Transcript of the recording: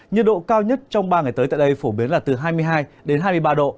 nhiệt độ cao nhất trong ba ngày tới tại đây phổ biến là từ hai mươi hai đến hai mươi ba độ